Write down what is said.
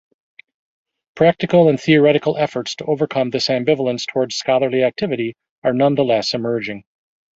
Practical and theoretical efforts to overcome this ambivalence towards scholarly activity are nonetheless emerging.